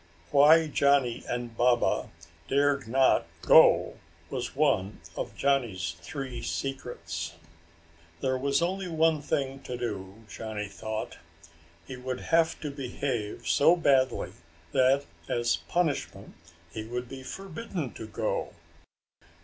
Why Johnny and Baba dared not go was one of Johnny's three secrets. There was only one thing to do, Johnny thought. He would have to behave so badly that as punishment he would be forbidden to go.